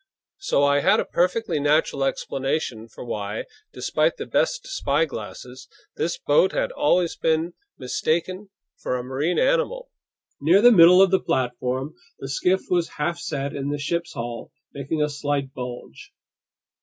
So I had a perfectly natural explanation for why, despite the best spyglasses, this boat had always been mistaken for a marine animal. Near the middle of the platform, the skiff was half set in the ship's hull, making a slight bulge.